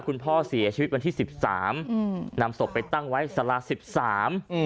คุณพ่อเสียชีวิตวันที่๑๓อืมนำศพไปตั้งไว้สละ๑๓อืม